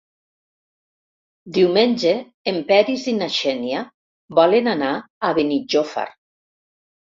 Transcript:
Diumenge en Peris i na Xènia volen anar a Benijòfar.